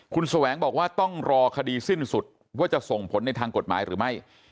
คุณแสวงบอกว่าต้องรอคดีสิ้นสุดว่าจะส่งผลในทางกฎหมายหรือไม่